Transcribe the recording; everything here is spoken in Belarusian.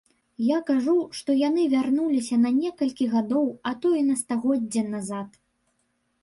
Я кажу, што яны вярнуліся на некалькі гадоў, а то і на стагоддзе назад.